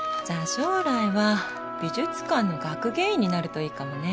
将来は美術館の学芸員になるといいかもね